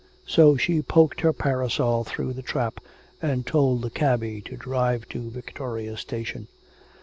So she poked her parasol through the trap, and told the cabby to drive to Victoria Station.